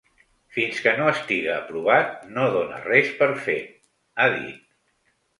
Fins que no estiga aprovat no done res per fet, ha dit.